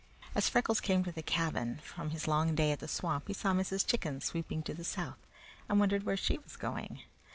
As Freckles came to the cabin from his long day at the swamp he saw Mrs. Chicken sweeping to the south and wondered where she was going.